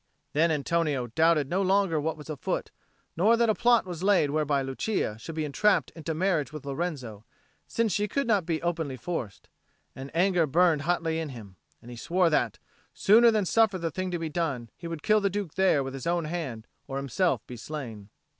Then Antonio doubted no longer of what was afoot, nor that a plot was laid whereby Lucia should be entrapped into marriage with Lorenzo, since she could not be openly forced. And anger burned hotly in him. And he swore that, sooner than suffer the thing to be done, he would kill the Duke there with his own hand or himself be slain.